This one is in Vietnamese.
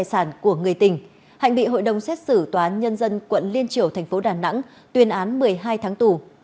hạnh bị hội đồng xét xử toán nhân dân quận liên triểu thành phố đà nẵng tuyên án một mươi hai tháng tù